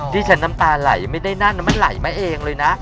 ที่ฉันน้ำตาไหลไม่ได้นั่นมันไหลมาเองเลยนะ